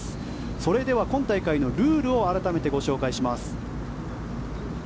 それでは今大会のルールを改めてご紹介します。